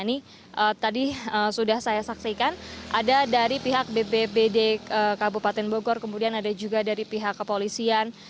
ini tadi sudah saya saksikan ada dari pihak bbbd kabupaten bogor kemudian ada juga dari pihak kepolisian